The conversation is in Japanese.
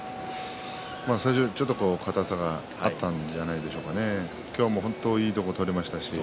最初、硬さがあったんじゃないでしょうか、今日も本当にいいところ取りました。